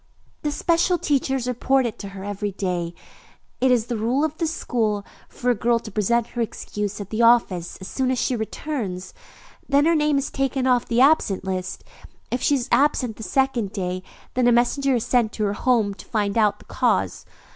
"The special teachers report to her every day. It is the rule of this school for a girl to present her excuse at the office as soon as she returns; then her name is taken off the absent list. If she is absent the second day, then a messenger is sent to her home to find out the cause.